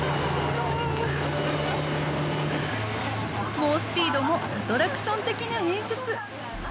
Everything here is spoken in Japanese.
猛スピードもアトラクション的な演出。